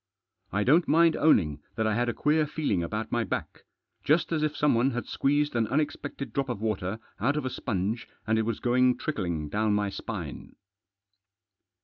I don't mind owning that I had a queer feeling about my back. Just as if someone had squeezed an unexpected drop of water out of a sponge, and it was going trickling down my spine.